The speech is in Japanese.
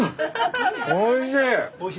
おいしい。